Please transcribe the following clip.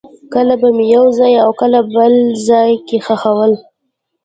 کله به مې یو ځای او کله بل ځای کې خښول.